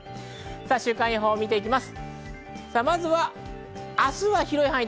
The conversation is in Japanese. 週間予報を見ていきます。